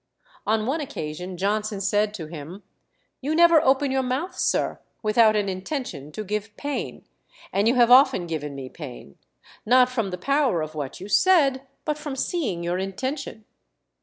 On one occasion Johnson said to him, "You never open your mouth, sir, without an intention to give pain, and you have often given me pain not from the power of what you said, but from seeing your intention."